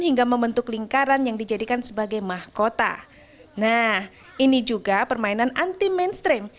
hingga membentuk lingkaran yang dijadikan sebagai mahkota nah ini juga permainan anti mainstream